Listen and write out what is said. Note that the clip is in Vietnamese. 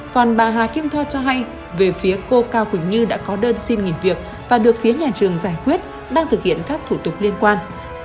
còn bà hà kim thoa cho hay về phía cô cao quỳnh như đã có đơn xin nghỉ việc và được phía nhà trường giải quyết đang thực hiện các thủ tục liên quan